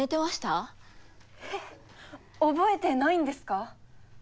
覚えてないんですか？